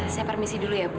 saya permisi dulu ya bu